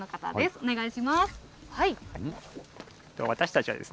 お願いします。